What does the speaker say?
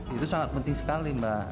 itu sangat penting sekali mbak